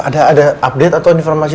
nanti misi kasih kode ya